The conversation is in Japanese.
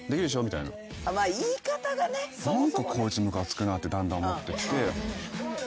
何かこいつムカつくなってだんだん思ってきて。